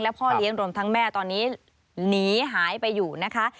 พ่อเลี้ยงรวมทั้งแม่ตอนนี้หนีหายไปอยู่นะคะ